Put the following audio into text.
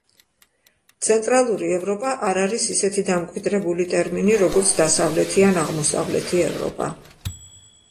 ცენტრალური ევროპა არ არის ისეთი დამკვიდრებული ტერმინი, როგორც დასავლეთი ან აღმოსავლეთი ევროპა.